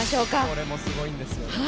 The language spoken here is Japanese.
これもすごいんですよね。